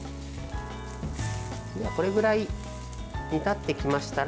これぐらい煮立ってきましたら